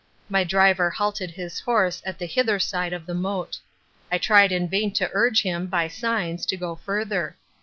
My driver halted his horse at the hither side of the moat. I tried in vain to urge him, by signs, to go further.